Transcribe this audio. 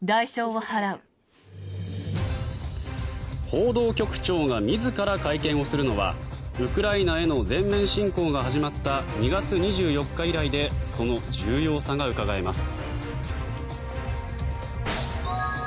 報道局長が自ら会見をするのはウクライナへの全面侵攻が始まった２月２４日以来でその重要さがうかがえます。